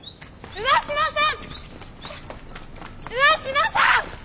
上嶋さん！